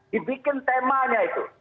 dibikin temanya itu